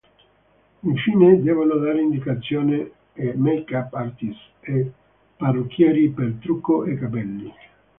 Infine devono dare indicazione a "make-up artist" e parrucchieri per trucco e capelli.